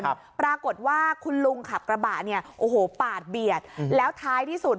ครับปรากฏว่าคุณลุงขับกระบะเนี่ยโอ้โหปาดเบียดแล้วท้ายที่สุด